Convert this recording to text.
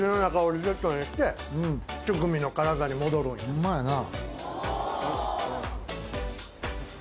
ホンマやな。